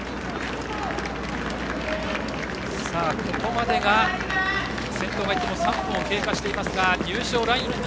ここまでが、先頭が行って３分が経過していますが入賞ライン。